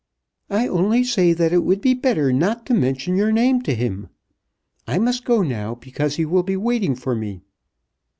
"I only say that it would be better not to mention your name to him. I must go now, because he will be waiting for me."